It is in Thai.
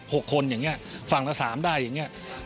ฝั่งแต่๓อย่างเนี่ยผมว่าตรงนั้นน่าจะเป็นประเด็นน